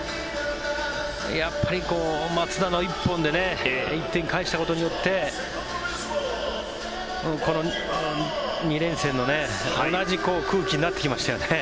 やっぱり松田の１本で１点返したことによってこの２連戦の同じ空気になってきましたよね。